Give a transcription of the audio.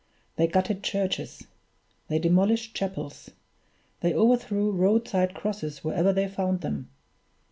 They gutted churches, they demolished chapels, they overthrew road side crosses wherever they found them.